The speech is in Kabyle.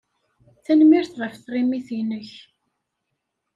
Tanemmirt ɣef tɣimit-nnek.